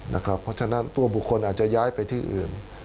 เพราะฉะนั้นตัวบุคคลอาจจะย้ายไปที่อื่น